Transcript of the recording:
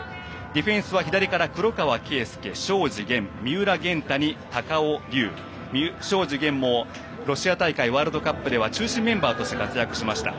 ディフェンスが左から黒川、昌子三浦、高尾昌子源もロシア大会ワールドカップでは中心メンバーとして活躍しました。